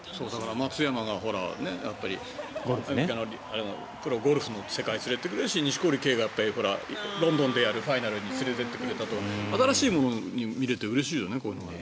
松山がアメリカのプロゴルフの世界に連れていってくれるし錦織圭がロンドンでやるファイナルに連れていってくれて新しいものを見れてうれしいよね。